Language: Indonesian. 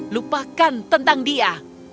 lupakan tentang dia